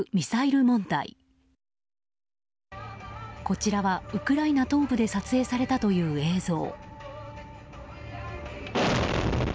こちらはウクライナ東部で撮影されたという映像。